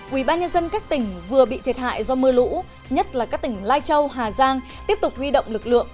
quỹ ban nhân dân các tỉnh vừa bị thiệt hại do mưa lũ nhất là các tỉnh lai châu hà giang tiếp tục huy động lực lượng